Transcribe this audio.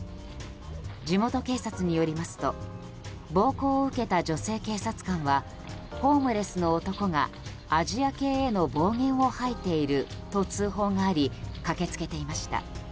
地元警察によりますと暴行を受けた女性警察官はホームレスの男がアジア系への暴言を吐いていると通報があり駆けつけていました。